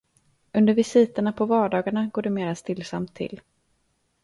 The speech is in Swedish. Under visiterna på vardagarna går det mera stillsamt till.